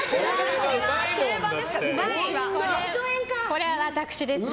これは私ですね。